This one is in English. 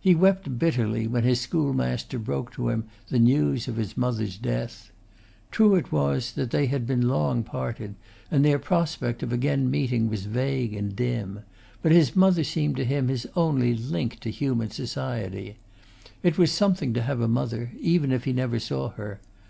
He wept bitterly when his schoolmaster broke to him the news of his mother's death. True it was they had been long parted, and their prospect of again meeting was vague and dim; but his mother seemed to him his only link to human society. It was something to have a mother, even if he never saw her.